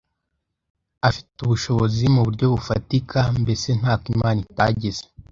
afite ubushobozi mu buryo bufatika, mbese ntako Imana itagize.